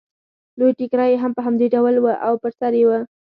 لوی ټکری یې هم په همدې ډول و او پر سر یې و